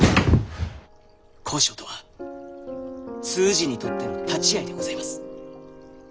交渉とは通詞にとっての立ち合いでございます。